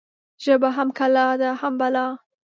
ژبه هم کلا ده هم بلا.